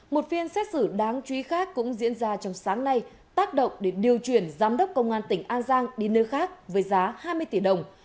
một phiên xét xử đáng chú ý khác cũng diễn ra trong sáng nay tác động để điều chuyển giám đốc công an tỉnh an giang đi nơi khác với giá hai mươi tỷ đồng